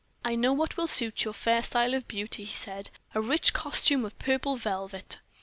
"I know what will suit your fair style of beauty," he said; "a rich costume of purple velvet."